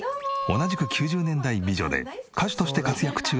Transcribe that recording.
同じく９０年代美女で歌手として活躍中の森口博子様。